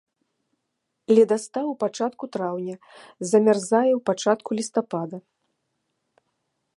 Ледастаў у пачатку траўня, замярзае ў пачатку лістапада.